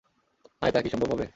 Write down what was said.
হায় তা কি সম্ভব হবে!